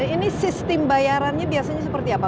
ini sistem bayarannya biasanya seperti apa